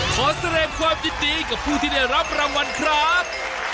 ขอแสดงความยินดีกับผู้ที่ได้รับรางวัลครับ